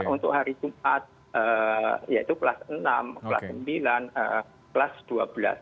untuk hari jumat yaitu kelas enam kelas sembilan kelas dua belas